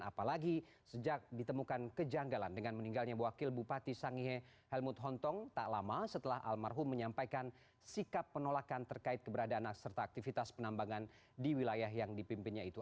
apalagi sejak ditemukan kejanggalan dengan meninggalnya wakil bupati sangihe helmut hontong tak lama setelah almarhum menyampaikan sikap penolakan terkait keberadaan serta aktivitas penambangan di wilayah yang dipimpinnya itu